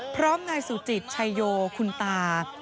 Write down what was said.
พร้อมนายสุจิตชัยโยคุณตา